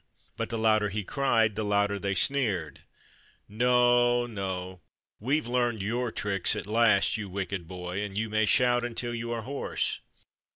But the louder he cried, the louder they sneered: "No, no; we've learned your tricks at last, you wicked boy, and you may shout until you are hoarse!"